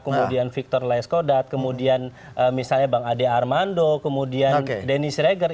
kemudian victor laiskodat kemudian misalnya bang ade armando kemudian denny sreger